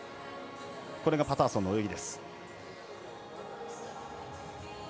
これがパターソンの泳ぎ。